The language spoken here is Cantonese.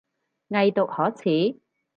偽毒可恥